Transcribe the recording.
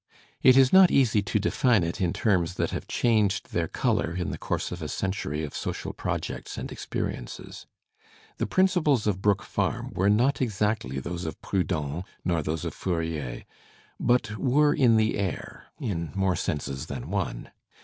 It is not easy to define it in terms that have changed their colour in the course of a century of social projects and experiences. The principles of Brook Parm were not exactly those of Proudhon nor those of Pourier, but were in the air — in more senses than one.